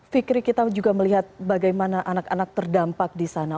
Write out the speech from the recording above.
fikri kita juga melihat bagaimana anak anak terdampak di sana